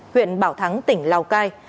huyện bảo thắng tỉnh lào cai